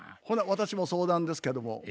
ほな私も相談ですけども。